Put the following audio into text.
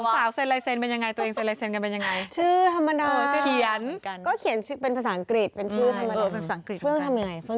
เฟื้องทำยังไงเฟื้องเขียนยังไงในเครื่องนี้